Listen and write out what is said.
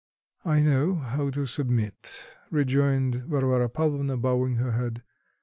"I know how to submit," rejoined Varvara Pavlovna, bowing her head.